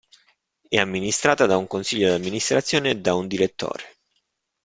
È amministrata da un consiglio di amministrazione e da un direttore.